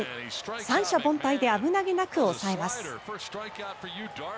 三者凡退で危なげなく抑えます。